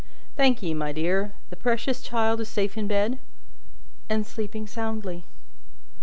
"Thank ye, my dear. The precious child is safe in bed?" "And sleeping soundly."